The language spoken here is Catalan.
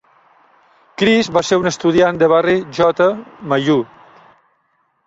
Chris va ser un estudiant de Barry J. Mailloux.